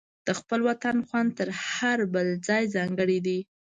د خپل وطن خوند تر هر بل ځای ځانګړی دی.